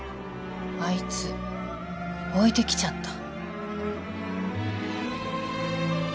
あいつ置いてきちゃった。